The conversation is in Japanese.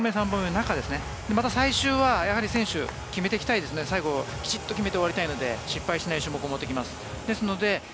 そして、最終は決めてきたいですのできちっと決めて終わりたいので失敗しない種目を持ってきます。